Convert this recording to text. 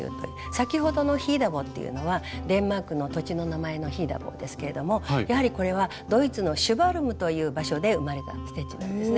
先ほどのヒーダボーっていうのはデンマークの土地の名前のヒーダボーですけれどもやはりこれはドイツのシュヴァルムという場所で生まれたステッチなんですね。